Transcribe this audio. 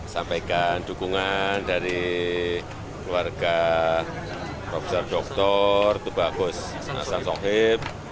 sampaikan dukungan dari keluarga prof dr tubah agus asan sohib